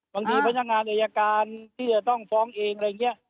บางทีพนักงานอายการที่จะต้องฟ้องเองอะไรอย่างนี้